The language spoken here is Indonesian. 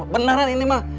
benaran ini ma